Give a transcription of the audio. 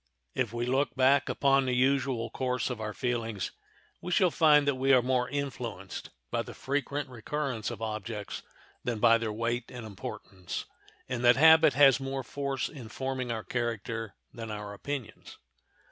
If we look back upon the usual course of our feelings we shall find that we are more influenced by the frequent recurrence of objects than by their weight and importance, and that habit has more force in forming our character than our opinions.